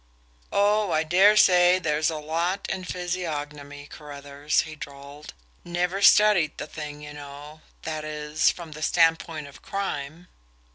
"Oh, I dare say there's a lot in physiognomy, Carruthers," he drawled. "Never studied the thing, you know that is, from the standpoint of crime.